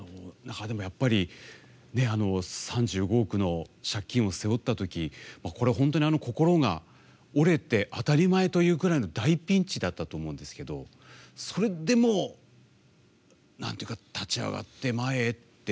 やっぱり３５億の借金を背負ったとき、これ本当に心が折れて当たり前ぐらいの大ピンチだったと思うんですけどそれでも立ち上がって前へって。